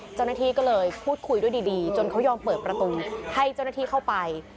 เจ้าหน้าที่ก็เลยพูดคุยด้วยดีจนเขายอมเปิดประตูให้เจ้าหน้าที่เข้าไป